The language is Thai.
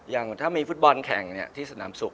อย่างถ้ามีฟุตบอลแข่งที่สนามสุข